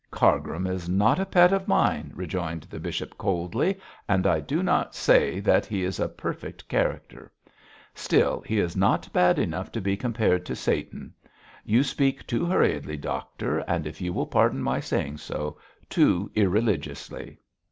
'Cargrim is not a pet of mine,' rejoined the bishop, coldly, 'and I do not say that he is a perfect character. Still, he is not bad enough to be compared to Satan. You speak too hurriedly, doctor, and, if you will pardon my saying so, too irreligiously.'